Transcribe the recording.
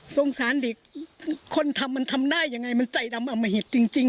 สงสารเด็กคนทำมันทำได้ยังไงมันใจดำอมหิตจริง